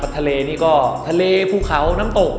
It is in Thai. ทะเลนี่ก็ทะเลภูเขาน้ำตก